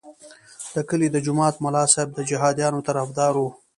د کلي د جومات ملا صاحب د جهادیانو طرفدار وو.